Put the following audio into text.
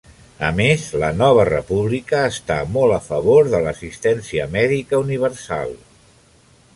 A més, "La Nova República" està molt a favor de l'assistència mèdica universal.